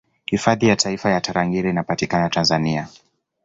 Hifadhi ya Taifa ya Tarangire inapatikana Tanzania